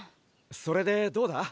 それでどうだ？